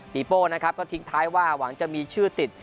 โป้นะครับก็ทิ้งท้ายว่าหวังจะมีชื่อติด